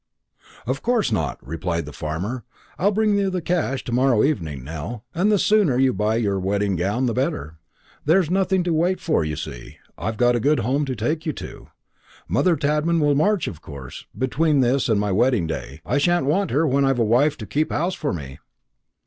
"Of course not," replied the farmer; "I'll bring you the cash to morrow evening, Nell; and the sooner you buy your wedding gown the better. There's nothing to wait for, you see. I've got a good home to take you to. Mother Tadman will march, of course, between this and my wedding day. I sha'n't want her when I've a wife to keep house for me."